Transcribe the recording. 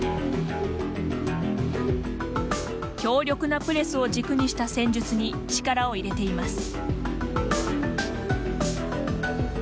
強力なプレスを軸にした戦術に力を入れています。